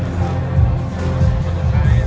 สโลแมคริปราบาล